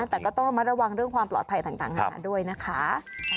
แต่ก็ต้องระมัดระวังเรื่องความปลอดภัยต่างหาด้วยนะคะ